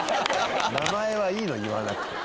名前はいいの言わなくて。